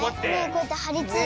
こうやってはりついて。